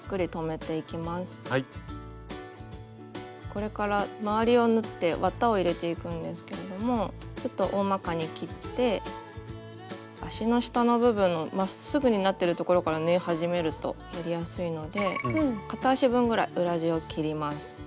これから周りを縫って綿を入れていくんですけれどもちょっとおおまかに切って足の下の部分のまっすぐになってるところから縫い始めるとやりやすいので片足分ぐらい裏地を切ります。